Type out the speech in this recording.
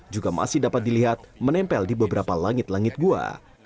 juga masih dapat dilihat menempel di beberapa langit langit gua